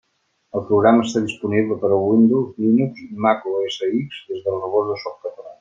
El programa està disponible per al Windows, Linux i Mac OS X des del Rebost de Softcatalà.